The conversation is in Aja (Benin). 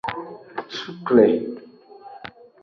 Sukle.